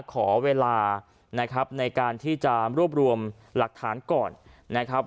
ขอเวลานะครับในการที่จะรวบรวมหลักฐานก่อนนะครับ